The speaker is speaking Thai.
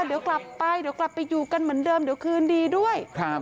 เดี๋ยวกลับไปเดี๋ยวกลับไปอยู่กันเหมือนเดิมเดี๋ยวคืนดีด้วยครับ